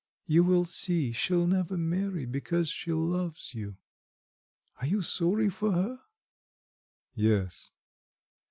You will see, she'll never marry, because she loves you. Are you sorry for her?" "Yes."